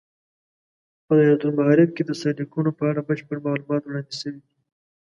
په دایرة المعارف کې د سرلیکونو په اړه بشپړ معلومات وړاندې شوي دي.